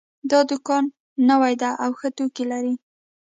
دا دوکان نوی ده او ښه توکي لري